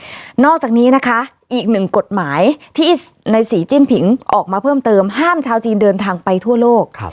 นอกจากนี้นะคะอีกหนึ่งกฎหมายที่ในสีจิ้นผิงออกมาเพิ่มเติมห้ามชาวจีนเดินทางไปทั่วโลก